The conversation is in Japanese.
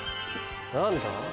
何だ？